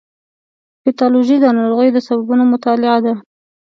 پیتالوژي د ناروغیو د سببونو مطالعه ده.